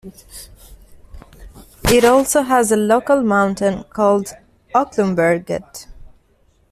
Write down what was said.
It also has a local mountain called Ucklumberget.